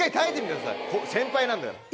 先輩なんだから。